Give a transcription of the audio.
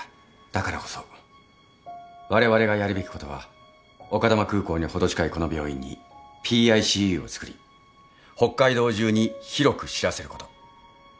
だからこそわれわれがやるべきことは丘珠空港に程近いこの病院にＰＩＣＵを作り北海道中に広く知らせること。